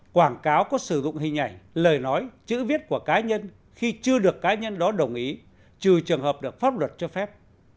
quảng cáo có sử dụng hình ảnh lời nói chữ viết của cá nhân khi chưa được cá nhân đó đồng ý trừ trường hợp được pháp luật cho phép